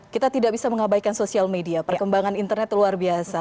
kita tidak bisa mengabaikan sosial media perkembangan internet luar biasa